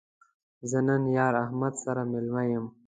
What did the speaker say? زه نن یار احمد سره مېلمه یم